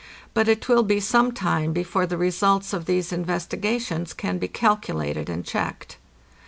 But it will be some time before the results of these investigations can be calculated and checked.